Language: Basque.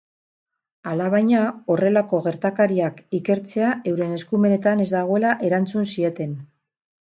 Alabaina, horrelako gertakariak ikertzea euren eskumenetan ez dagoela erantzun zieten epaitegietatik.